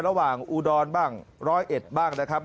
ระหว่างอุดรธานีบ้างร้อยเอ็ดบ้างนะครับ